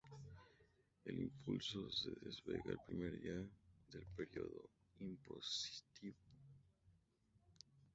El impuesto se devenga el primer día del período impositivo.